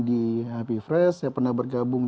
di happy fresh saya pernah bergabung